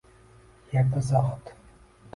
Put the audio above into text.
Yerda zohid